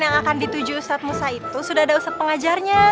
yang akan dituju saat musa itu sudah ada ustadz pengajarnya